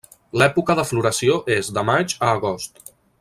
L'època de floració és de maig a agost.